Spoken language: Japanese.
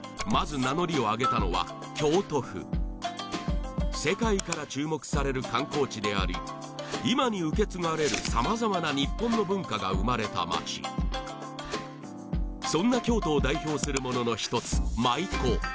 まず名乗りを上げたのは京都府世界から注目される観光地であり今に受け継がれるさまざまな日本の文化が生まれた街そんな京都を代表するものの一つ舞妓